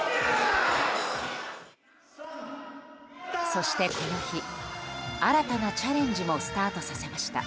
そして、この日新たなチャレンジもスタートさせました。